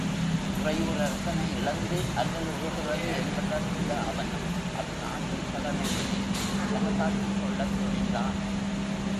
உறையூர், அரசனை இழந்து அல்லல் உறுகிறது என்பதறிந்த அவனும், அதன் ஆட்சித் தலைமையினைத் தனதாக்கிக் கொள்ளத் துணிந்தான்.